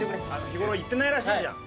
日頃言ってないらしいじゃん。